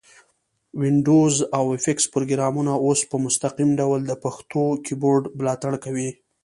وینډوز او افس پروګرامونه اوس په مستقیم ډول د پښتو کیبورډ ملاتړ کوي.